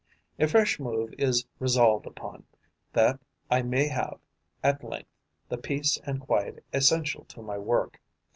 A fresh move is resolved upon, that I may have, at length, the peace and quiet essential to my work.